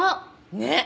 ねっ！